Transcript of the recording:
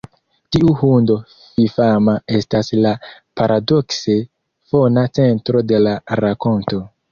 Tiu hundo fifama estas la paradokse fona centro de la rakonto.